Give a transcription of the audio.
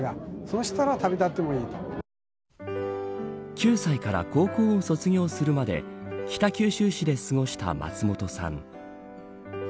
９歳から高校を卒業するまで北九州市で過ごした松本さん。